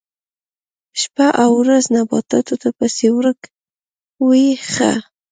شپه او ورځ نباتاتو پسې ورک وي ښه.